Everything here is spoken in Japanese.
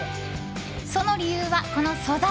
その理由は、この素材。